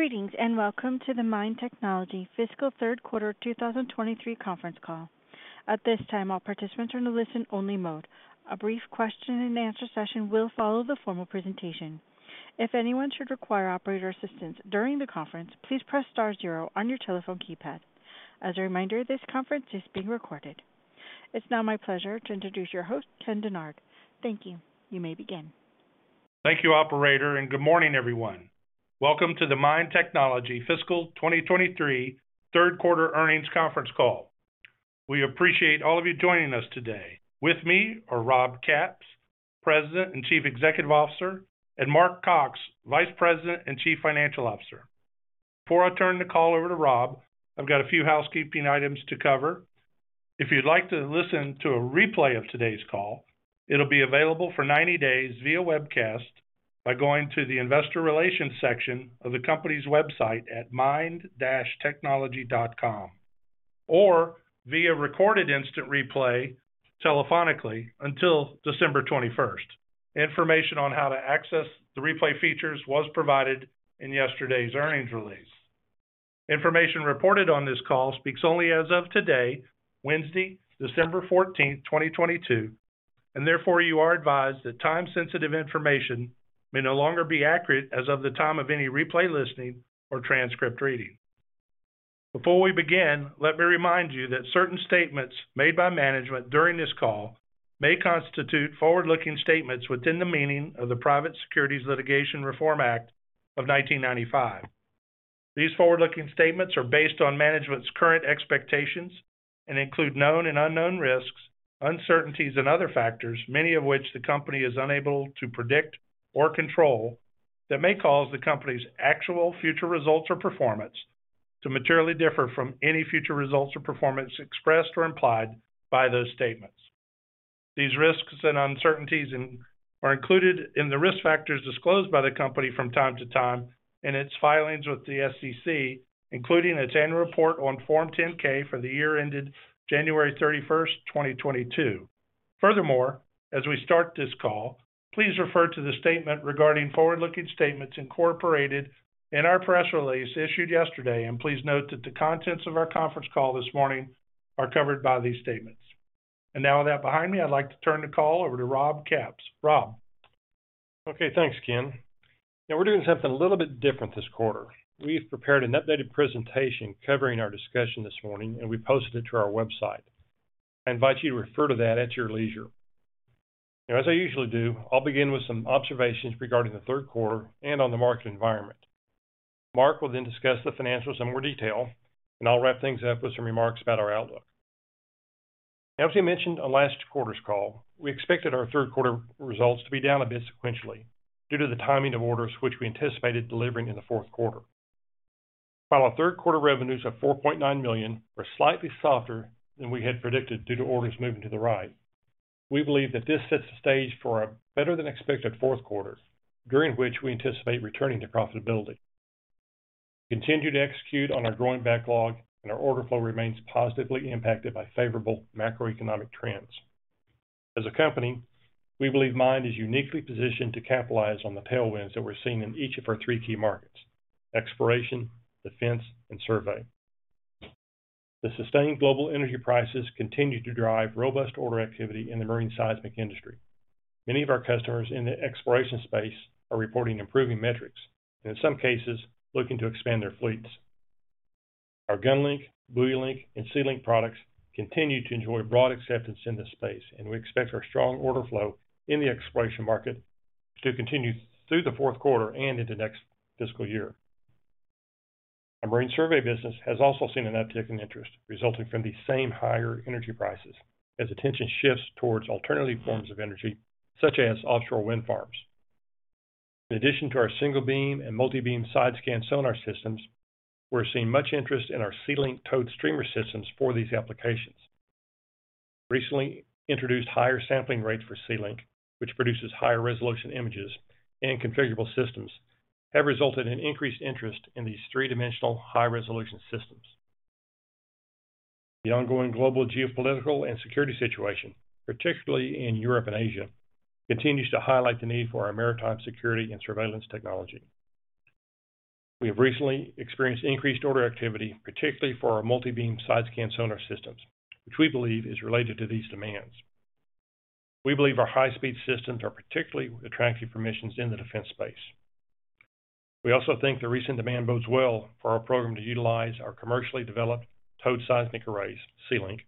Greetings, welcome to the MIND Technology Fiscal Q3 2023 Conference Call. At this time, all participants are in listen only mode. A brief question and answer session will follow the formal presentation. If anyone should require operator assistance during the conference, please press star zero on your telephone keypad. As a reminder, this conference is being recorded. It's now my pleasure to introduce your host, Ken Dennard. Thank you. You may begin. Thank you operator. Good morning everyone. Welcome to the MIND Technology Fiscal 2023 Q3 Earnings Conference Call. We appreciate all of you joining us today. With me are Rob Capps, President and Chief Executive Officer, and Mark Cox, Vice President and Chief Financial Officer. Before I turn the call over to Rob, I've got a few housekeeping items to cover. If you'd like to listen to a replay of today's call, it'll be available for 90 days via webcast by going to the investor relations section of the company's website at mind-technology.com or via recorded instant replay telephonically until December 21st. Information on how to access the replay features was provided in yesterday's earnings release. Information reported on this call speaks only as of today, Wednesday, December 14th, 2022, therefore you are advised that time-sensitive information may no longer be accurate as of the time of any replay listening or transcript reading. Before we begin, let me remind you that certain statements made by management during this call may constitute forward-looking statements within the meaning of the Private Securities Litigation Reform Act of 1995. These forward-looking statements are based on management's current expectations and include known and unknown risks, uncertainties, and other factors, many of which the company is unable to predict or control that may cause the company's actual future results or performance to materially differ from any future results or performance expressed or implied by those statements. These risks and uncertainties are included in the risk factors disclosed by the company from time to time in its filings with the SEC, including its annual report on Form 10-K for the year ended January 31st, 2022. Furthermore, as we start this call, please refer to the statement regarding forward-looking statements incorporated in our press release issued yesterday, and please note that the contents of our conference call this morning are covered by these statements. With that behind me, I'd like to turn the call over to Rob Capps. Rob. Okay, thanks, Ken. We're doing something a little bit different this quarter. We've prepared an updated presentation covering our discussion this morning, and we posted it to our website. I invite you to refer to that at your leisure. As I usually do, I'll begin with some observations regarding the Q3 and on the market environment. Mark will then discuss the financials in more detail, and I'll wrap things up with some remarks about our outlook. As we mentioned on last quarter's call, we expected our Q3 results to be down a bit sequentially due to the timing of orders, which we anticipated delivering in the Q4. Our Q3 revenues of $4.9 million were slightly softer than we had predicted due to orders moving to the right, we believe that this sets the stage for a better than expected Q4, during which we anticipate returning to profitability. We continue to execute on our growing backlog and our order flow remains positively impacted by favorable macroeconomic trends. As a company, we believe MIND is uniquely positioned to capitalize on the tailwinds that we're seeing in each of our three key markets: exploration, defense, and survey. The sustained global energy prices continue to drive robust order activity in the marine seismic industry. Many of our customers in the exploration space are reporting improving metrics and in some cases, looking to expand their fleets. Our GunLink, BuoyLink, and SeaLink products continue to enjoy broad acceptance in this space, and we expect our strong order flow in the exploration market to continue through the Q4 and into next fiscal year. Our marine survey business has also seen an uptick in interest resulting from the same higher energy prices as attention shifts towards alternative forms of energy such as offshore wind farms. In addition to our single beam and multibeam side scan sonar systems, we're seeing much interest in our SeaLink towed streamer systems for these applications. Recently introduced higher sampling rates for SeaLink, which produces higher resolution images and configurable systems, have resulted in increased interest in these three-dimensional high-resolution systems. The ongoing global geopolitical and security situation, particularly in Europe and Asia, continues to highlight the need for our maritime security and surveillance technology. We have recently experienced increased order activity, particularly for our multibeam side scan sonar systems, which we believe is related to these demands. We believe our high-speed systems are particularly attractive for missions in the defense space. We also think the recent demand bodes well for our program to utilize our commercially developed towed seismic arrays, SeaLink,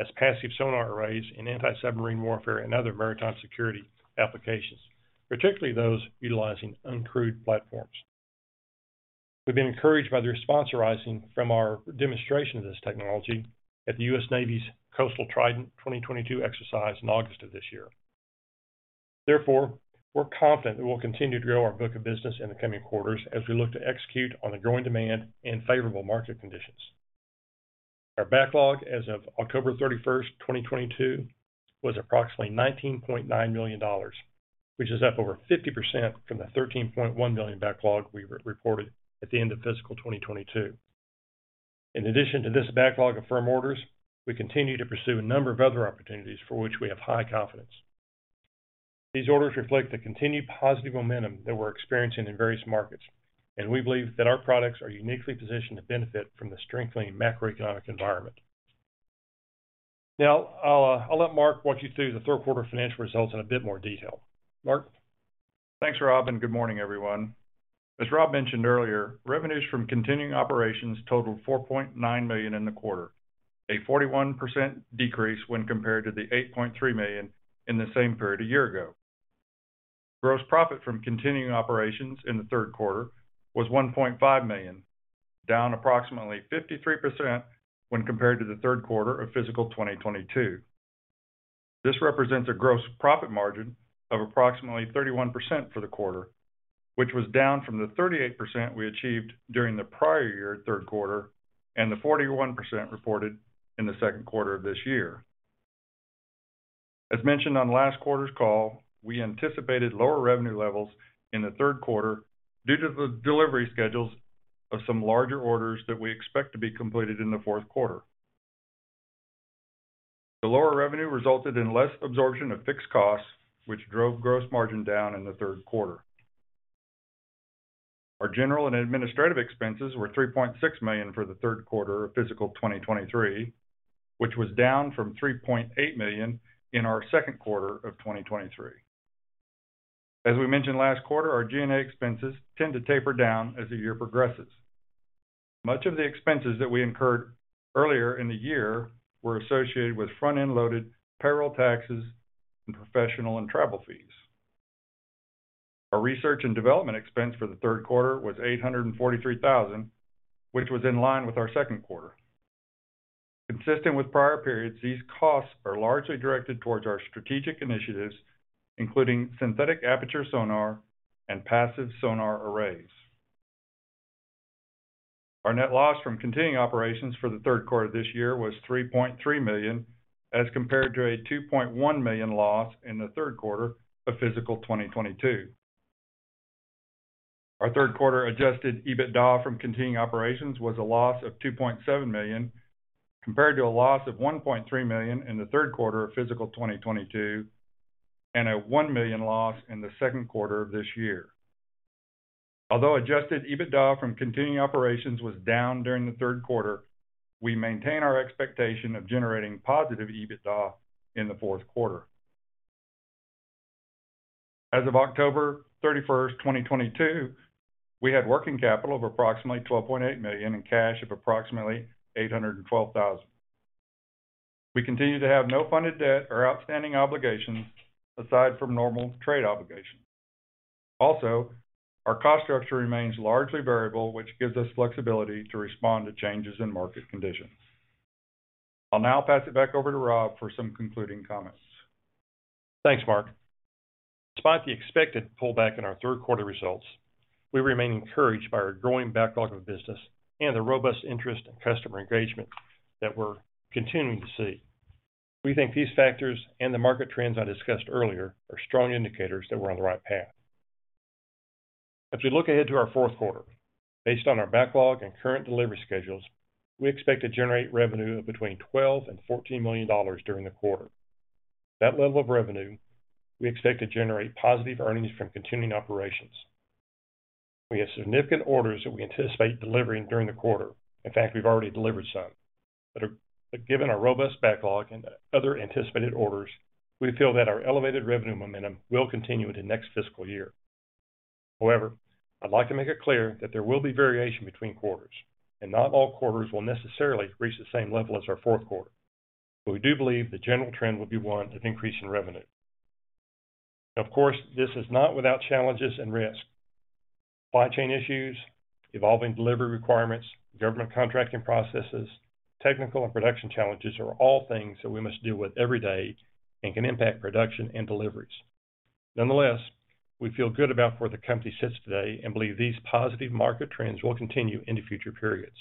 as passive sonar arrays in anti-submarine warfare and other maritime security applications, particularly those utilizing uncrewed platforms. We've been encouraged by the response arising from our demonstration of this technology at the U.S. Navy's Coastal Trident 2022 exercise in August of this year. We're confident that we'll continue to grow our book of business in the coming quarters as we look to execute on the growing demand and favorable market conditions. Our backlog as of October 31st, 2022, was approximately $19.9 million, which is up over 50% from the $13.1 million backlog we re-reported at the end of fiscal 2022. In addition to this backlog of firm orders, we continue to pursue a number of other opportunities for which we have high confidence. These orders reflect the continued positive momentum that we're experiencing in various markets, and we believe that our products are uniquely positioned to benefit from the strengthening macroeconomic environment. Now, I'll let Mark walk you through the Q3 financial results in a bit more detail. Mark? Thanks, Rob. Good morning, everyone. As Rob mentioned earlier, revenues from continuing operations totaled $4.9 million in the quarter, a 41% decrease when compared to the $8.3 million in the same period a year ago. Gross profit from continuing operations in the Q3 was $1.5 million, down approximately 53% when compared to the Q3 of fiscal 2022. This represents a gross profit margin of approximately 31% for the quarter, which was down from the 38% we achieved during the prior year Q3 and the 41% reported in the Q2 of this year. As mentioned on last quarter's call, we anticipated lower revenue levels in the Q3 due to the delivery schedules of some larger orders that we expect to be completed in the Q4. The lower revenue resulted in less absorption of fixed costs, which drove gross margin down in the Q3. Our general and administrative expenses were $3.6 million for the Q3 of fiscal 2023, which was down from $3.8 million in our Q2 of 2023. As we mentioned last quarter, our G&A expenses tend to taper down as the year progresses. Much of the expenses that we incurred earlier in the year were associated with front-end loaded payroll taxes and professional and travel fees. Our research and development expense for the Q3 was $843,000, which was in line with our Q2. Consistent with prior periods, these costs are largely directed towards our strategic initiatives, including synthetic aperture sonar and passive sonar arrays. Our net loss from continuing operations for the Q3 this year was $3.3 million, as compared to a $2.1 million loss in the Q3 of fiscal 2022. Our Q3 adjusted EBITDA from continuing operations was a loss of $2.7 million, compared to a loss of $1.3 million in the Q3 of fiscal 2022, and a $1 million loss in the Q2 of this year. Adjusted EBITDA from continuing operations was down during the Q3, we maintain our expectation of generating positive EBITDA in the Q4. As of October 31st, 2022, we had working capital of approximately $12.8 million and cash of approximately $812,000. We continue to have no funded debt or outstanding obligations aside from normal trade obligations. Also, our cost structure remains largely variable, which gives us flexibility to respond to changes in market conditions. I'll now pass it back over to Rob for some concluding comments. Thanks, Mark. Despite the expected pullback in our Q3 results, we remain encouraged by our growing backlog of business and the robust interest and customer engagement that we're continuing to see. We think these factors and the market trends I discussed earlier are strong indicators that we're on the right path. As we look ahead to our Q4, based on our backlog and current delivery schedules, we expect to generate revenue of between $12 million and $14 million during the quarter. At that level of revenue, we expect to generate positive earnings from continuing operations. We have significant orders that we anticipate delivering during the quarter. In fact, we've already delivered some. Given our robust backlog and other anticipated orders, we feel that our elevated revenue momentum will continue into next fiscal year. I'd like to make it clear that there will be variation between quarters, and not all quarters will necessarily reach the same level as our Q4. We do believe the general trend will be one of increasing revenue. Of course, this is not without challenges and risks. Supply chain issues, evolving delivery requirements, government contracting processes, technical and production challenges are all things that we must deal with every day and can impact production and deliveries. Nonetheless, we feel good about where the company sits today and believe these positive market trends will continue into future periods.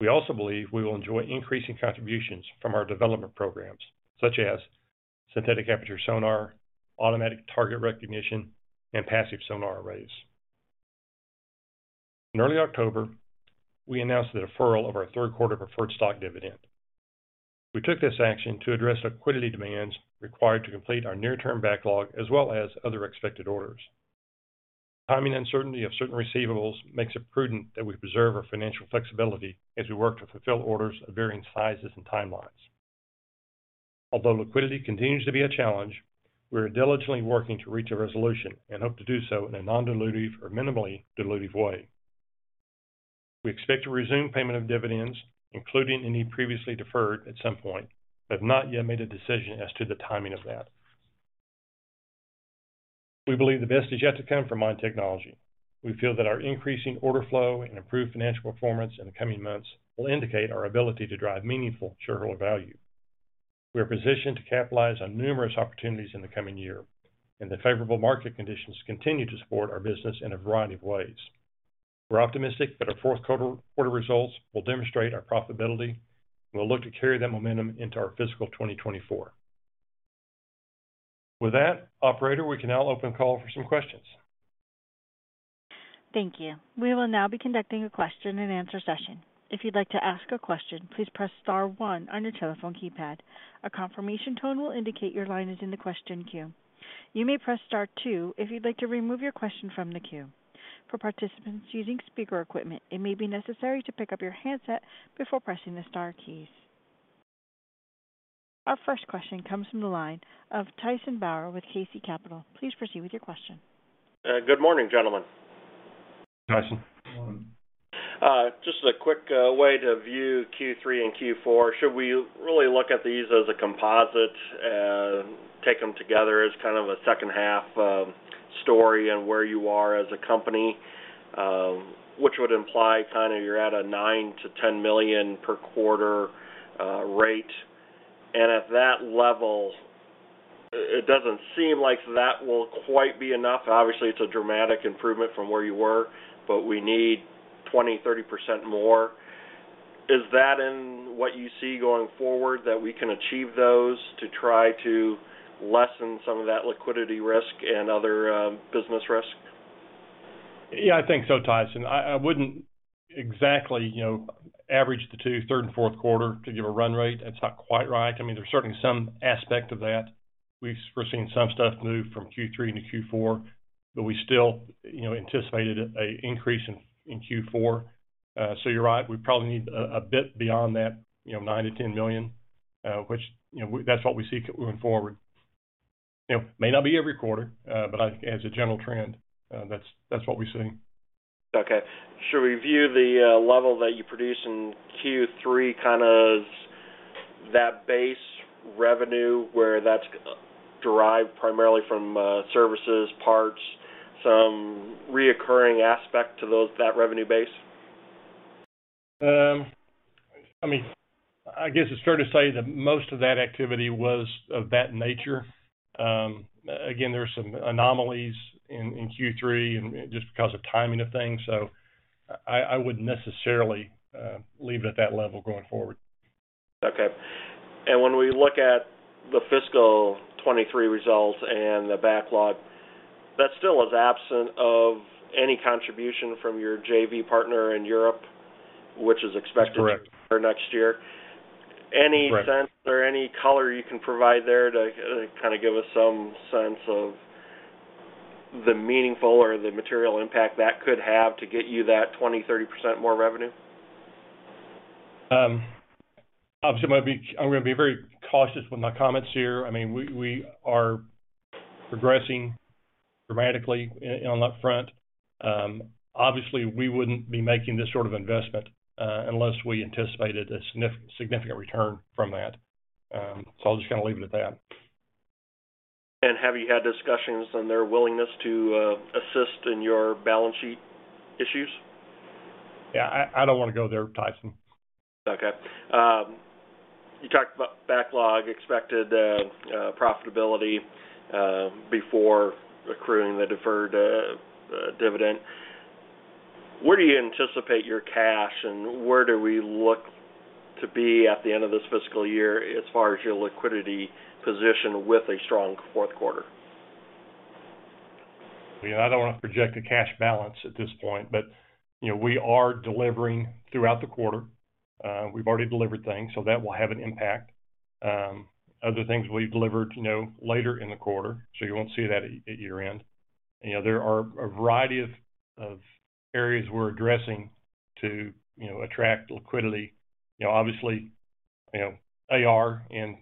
We also believe we will enjoy increasing contributions from our development programs, such as synthetic aperture sonar, automatic target recognition, and passive sonar arrays. In early October, we announced the deferral of our Q3 preferred stock dividend. We took this action to address liquidity demands required to complete our near-term backlog as well as other expected orders. Timing uncertainty of certain receivables makes it prudent that we preserve our financial flexibility as we work to fulfill orders of varying sizes and timelines. Although liquidity continues to be a challenge, we are diligently working to reach a resolution and hope to do so in a non-dilutive or minimally dilutive way. We expect to resume payment of dividends, including any previously deferred at some point, but have not yet made a decision as to the timing of that. We believe the best is yet to come from MIND Technology. We feel that our increasing order flow and improved financial performance in the coming months will indicate our ability to drive meaningful shareholder value. We are positioned to capitalize on numerous opportunities in the coming year. The favorable market conditions continue to support our business in a variety of ways. We're optimistic that our Q4 results will demonstrate our profitability, and we'll look to carry that momentum into our fiscal 2024. With that, operator, we can now open call for some questions. Thank you. We will now be conducting a question and answer session. If you'd like to ask a question, please press star one on your telephone keypad. A confirmation tone will indicate your line is in the question queue. You may press star two if you'd like to remove your question from the queue. For participants using speaker equipment, it may be necessary to pick up your handset before pressing the star keys. Our first question comes from the line of Tyson Bauer with KC Capital. Please proceed with your question. Good morning, gentlemen. Tyson. Good morning. Just as a quick way to view Q3 and Q4, should we really look at these as a composite and take them together as kind of a second half story on where you are as a company? Which would imply kind of you're at a $9 million-$10 million per quarter rate. At that level, it doesn't seem like that will quite be enough. Obviously, it's a dramatic improvement from where you were, but we need 20%, 30% more. Is that in what you see going forward that we can achieve those to try to lessen some of that liquidity risk and other business risk? Yeah, I think so, Tyson. I wouldn't exactly, you know, average the two, third, and Q4 to give a run rate. That's not quite right. I mean, there's certainly some aspect of that. We're seeing some stuff move from Q3 into Q4, but we still, you know, anticipated a increase in Q4. You're right, we probably need a bit beyond that, you know, $9 million-$10 million, which, you know, that's what we see going forward. You know, may not be every quarter, but I as a general trend, that's what we're seeing. Okay. Should we view the level that you produce in Q3, kind of that base revenue where that's derived primarily from services, parts, some reoccurring aspect to that revenue base? I mean, I guess it's fair to say that most of that activity was of that nature. There are some anomalies in Q3 and just because of timing of things, so I wouldn't necessarily leave it at that level going forward. Okay. When we look at the fiscal 2023 results and the backlog, that still is absent of any contribution from your JV partner in Europe, which is expected. That's correct. For next year. Right. Any sense or any color you can provide there to kind of give us some sense of the meaningful or the material impact that could have to get you that 20%, 30% more revenue? Obviously, I'm gonna be very cautious with my comments here. I mean, we are progressing dramatically on that front. Obviously, we wouldn't be making this sort of investment, unless we anticipated a significant return from that. I'll just kind of leave it at that. Have you had discussions on their willingness to assist in your balance sheet issues? Yeah, I don't wanna go there, Tyson. Okay. You talked about backlog, expected profitability before accruing the deferred dividend. Where do you anticipate your cash, and where do we look to be at the end of this fiscal year as far as your liquidity position with a strong Q4? You know, I don't wanna project a cash balance at this point, but, you know, we are delivering throughout the quarter. We've already delivered things, so that will have an impact. Other things will be delivered, you know, later in the quarter, so you won't see that at year-end. You know, there are a variety of areas we're addressing to, you know, attract liquidity. You know, obviously, you know, AR and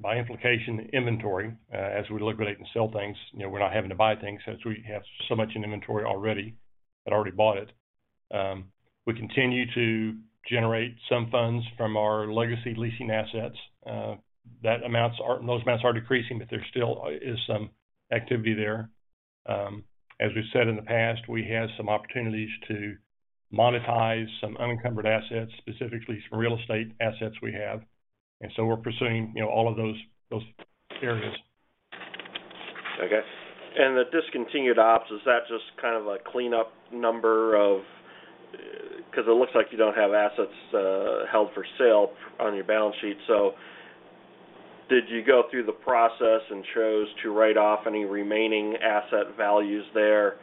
by implication, inventory, as we liquidate and sell things, you know, we're not having to buy things since we have so much in inventory already, had already bought it. We continue to generate some funds from our legacy leasing assets. Those amounts are decreasing, but there still is some activity there. As we've said in the past, we have some opportunities to monetize some unencumbered assets, specifically some real estate assets we have. We're pursuing, you know, all of those areas. Okay. The discontinued ops, is that just kind of a cleanup number? It looks like you don't have assets held for sale on your balance sheet. Did you go through the process and chose to write off any remaining asset values there?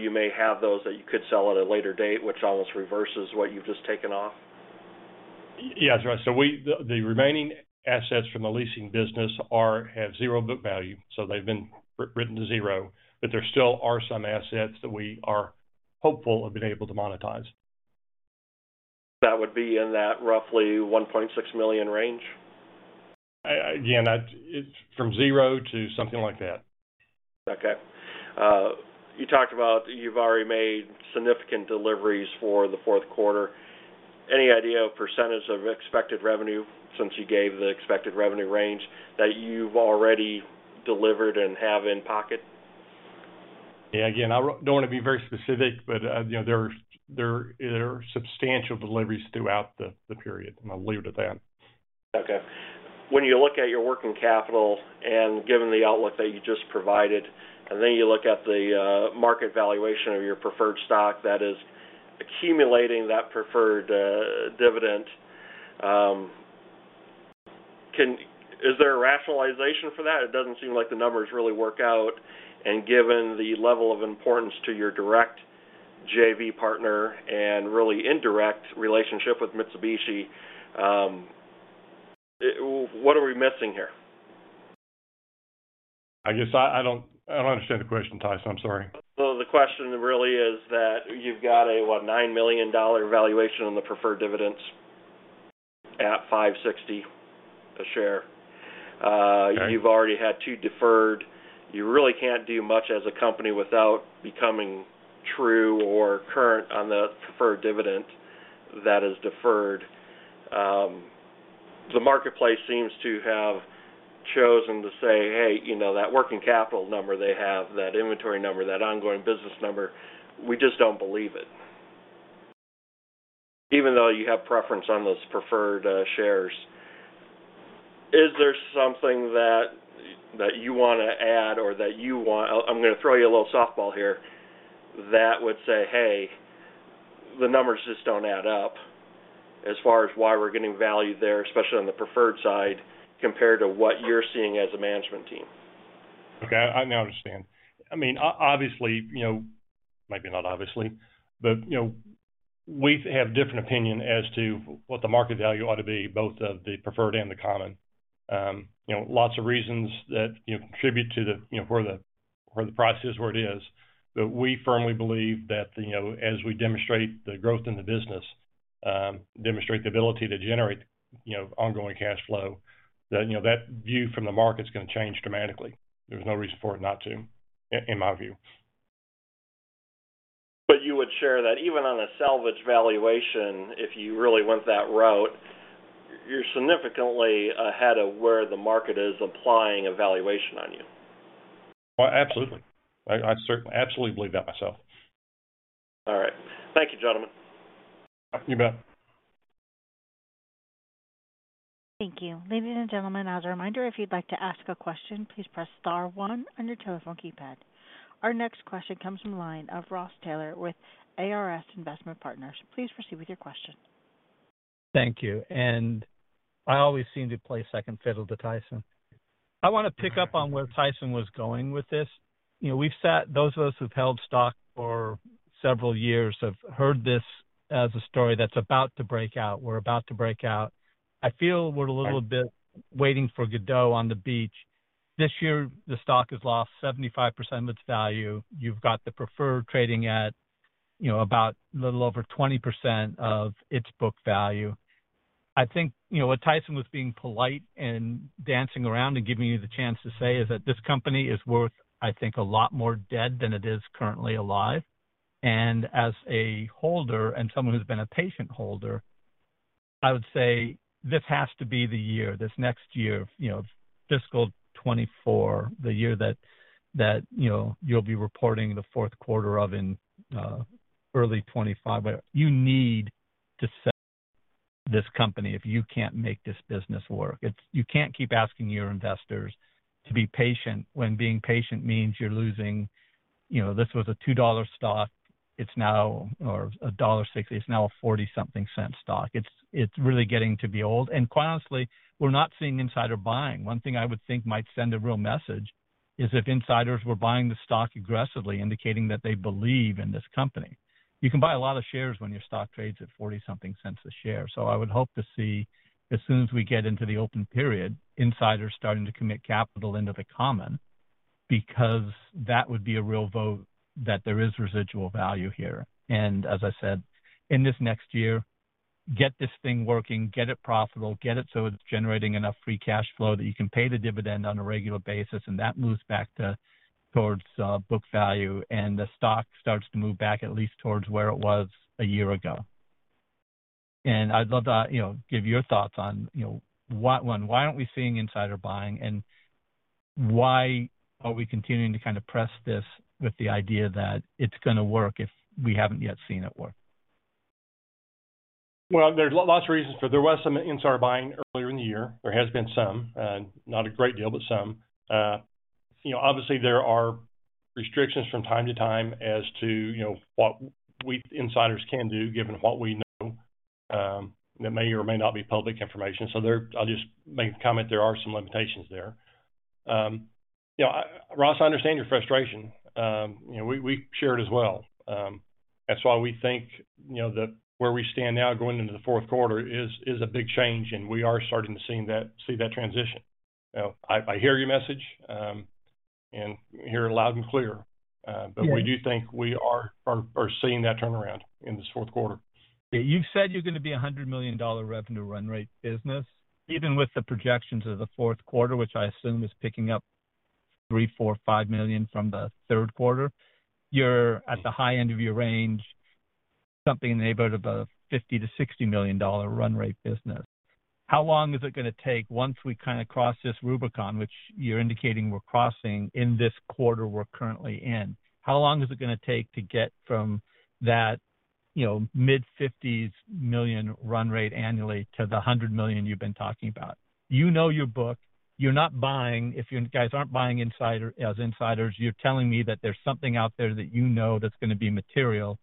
You may have those that you could sell at a later date, which almost reverses what you've just taken off. Yeah, that's right. The remaining assets from the leasing business have zero book value, so they've been written to zero. There still are some assets that we are hopeful of being able to monetize. That would be in that roughly $1.6 million range? Again, it's from zero to something like that. You talked about you've already made significant deliveries for the Q4. Any idea of percentage of expected revenue since you gave the expected revenue range that you've already delivered and have in pocket? Yeah. I don't want to be very specific, but, you know, there are substantial deliveries throughout the period, and I'll leave it at that. Okay. When you look at your working capital and given the outlook that you just provided, and then you look at the market valuation of your preferred stock that is accumulating that preferred dividend, is there a rationalization for that? It doesn't seem like the numbers really work out. Given the level of importance to your direct JV partner and really indirect relationship with Mitsubishi, what are we missing here? I guess I don't understand the question, Tyson. I'm sorry. The question really is that you've got a what, $9 million valuation on the preferred dividends at $5.60 a share. Okay. You've already had two deferred. You really can't do much as a company without becoming true or current on the preferred dividend that is deferred. The marketplace seems to have chosen to say, "Hey, you know, that working capital number they have, that inventory number, that ongoing business number, we just don't believe it." Even though you have preference on those preferred shares, is there something that you wanna add or that you want. I'm gonna throw you a little softball here that would say, "Hey, the numbers just don't add up as far as why we're getting value there, especially on the preferred side, compared to what you're seeing as a management team"? Okay. I now understand. I mean, obviously, you know, maybe not obviously, but, you know, we have different opinion as to what the market value ought to be, both of the preferred and the common. you know, lots of reasons that, you know, contribute to the, you know, where the, where the price is, where it is. We firmly believe that, you know, as we demonstrate the growth in the business, demonstrate the ability to generate, you know, ongoing cash flow, then, you know, that view from the market's gonna change dramatically. There's no reason for it not to, in my view. You would share that even on a salvage valuation, if you really went that route, you're significantly ahead of where the market is applying a valuation on you. Well, absolutely. I absolutely believe that myself. All right. Thank you, gentlemen. You bet. Thank you. Ladies and gentlemen, as a reminder, if you'd like to ask a question, please press star one on your telephone keypad. Our next question comes from the line of Ross Taylor with ARS Investment Partners. Please proceed with your question. Thank you. I always seem to play second fiddle to Tyson. I want to pick up on where Tyson was going with this. You know, those of us who've held stock for several years have heard this as a story that's about to break out. We're about to break out. I feel we're a little bit waiting for Godot on the beach. This year, the stock has lost 75% of its value. You've got the preferred trading at, you know, about a little over 20% of its book value. I think, you know, what Tyson was being polite and dancing around and giving you the chance to say is that this company is worth, I think, a lot more dead than it is currently alive. As a holder and someone who's been a patient holder, I would say this has to be the year, this next year of, you know, fiscal 2024, the year that, you know, you'll be reporting the Q4 of in early 2025. You need to sell this company if you can't make this business work. You can't keep asking your investors to be patient when being patient means you're losing. You know, this was a $2 stock. It's now or $1.60. It's now a forty something cent stock. It's really getting to be old. Quite honestly, we're not seeing insider buying. One thing I would think might send a real message is if insiders were buying the stock aggressively, indicating that they believe in this company. You can buy a lot of shares when your stock trades at forty something cents a share. I would hope to see, as soon as we get into the open period, insiders starting to commit capital into the common, because that would be a real vote that there is residual value here. As I said, in this next year, get this thing working, get it profitable, get it so it's generating enough free cash flow that you can pay the dividend on a regular basis, and that moves back towards book value, and the stock starts to move back at least towards where it was a year ago. I'd love to, you know, give your thoughts on, you know, 1, why aren't we seeing insider buying and why are we continuing to kind of press this with the idea that it's gonna work if we haven't yet seen it work? Well, there's lots of reasons for. There was some insider buying earlier in the year. There has been some, not a great deal, but some. You know, obviously there are restrictions from time to time as to, you know, what we insiders can do, given what we know, that may or may not be public information. I'll just make a comment. There are some limitations there. You know, Ross, I understand your frustration. You know, we share it as well. That's why we think, you know, that where we stand now going into the Q4 is a big change, and we are starting to see that transition. You know, I hear your message, and hear it loud and clear. Yes. We do think we are seeing that turnaround in this Q4. Yeah. You've said you're gonna be a $100 million revenue run rate business. Even with the projections of the Q4, which I assume is picking up $3 million, $4 million, $5 million from the Q3, you're at the high end of your range, something in the neighborhood of a $50 million-$60 million run rate business. How long is it gonna take once we kind of cross this Rubicon, which you're indicating we're crossing in this quarter we're currently in? How long is it gonna take to get from that, you know, mid-$50 million run rate annually to the $100 million you've been talking about? You know your book. You're not buying. If you guys aren't buying as insiders, you're telling me that there's something out there that you know that's gonna be material.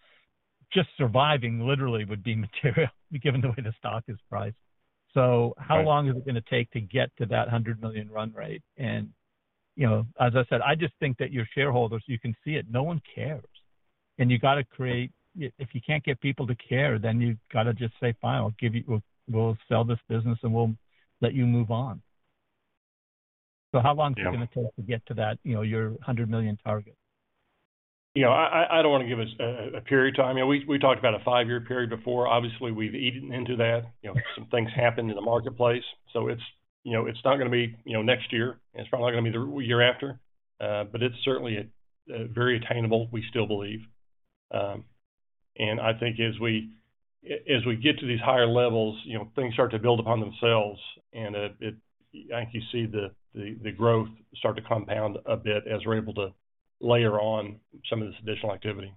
Just surviving literally would be material given the way the stock is priced. How long is it going to take to get to that $100 million run rate? You know, as I said, I just think that your shareholders, you can see it, no one cares. If you can't get people to care, then you've got to just say, "Fine, we'll sell this business, and we'll let you move on." How long is it going to take to get to that, you know, your $100 million target? You know, I don't want to give a period of time. You know, we talked about a five-year period before. Obviously, we've eaten into that. You know, some things happened in the marketplace. It's, you know, it's not gonna be, you know, next year, and it's probably not gonna be the year after. but it's certainly very attainable, we still believe. And I think as we get to these higher levels, you know, things start to build upon themselves, and I think you see the growth start to compound a bit as we're able to layer on some of this additional activity.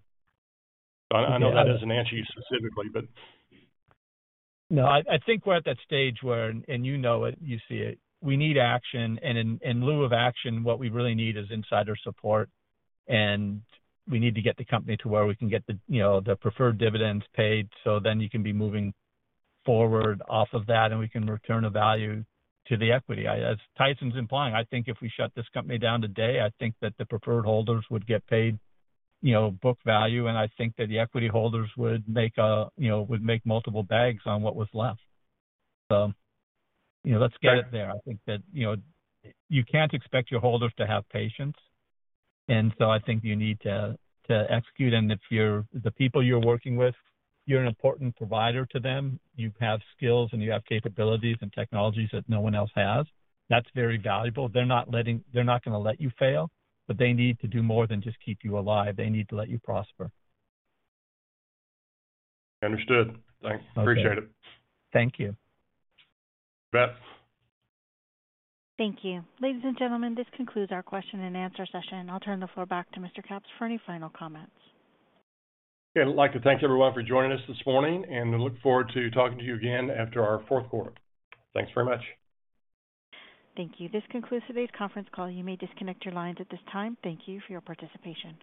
I know that doesn't answer you specifically, but. No, I think we're at that stage where, and you know it, you see it, we need action. In lieu of action, what we really need is insider support, and we need to get the company to where we can get the, you know, the preferred dividends paid. You can be moving forward off of that, and we can return the value to the equity. As Tyson's implying, I think if we shut this company down today, I think that the preferred holders would get paid, you know, book value, and I think that the equity holders would make, you know, would make multiple bags on what was left. You know, let's get it there. I think that, you know, you can't expect your holders to have patience, I think you need to execute. If you're the people you're working with, you're an important provider to them. You have skills, and you have capabilities and technologies that no one else has. That's very valuable. They're not gonna let you fail, but they need to do more than just keep you alive. They need to let you prosper. Understood. Thanks. Okay. Appreciate it. Thank you. Bet. Thank you. Ladies and gentlemen, this concludes our question and answer session. I'll turn the floor back to Mr. Capps for any final comments. Yeah. I'd like to thank everyone for joining us this morning, and we look forward to talking to you again after our Q4. Thanks very much. Thank you. This concludes today's conference call. You may disconnect your lines at this time. Thank you for your participation.